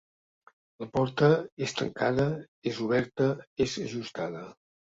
La porta és tancada, és oberta, és ajustada.